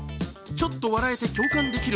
ちょっと笑えて共感できる？